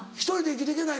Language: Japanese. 生きていけない。